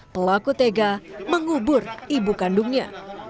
pelaku tega mengubur ibu kandungnya